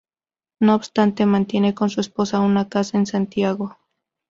No obstante, mantiene con su esposa una casa en Santiago.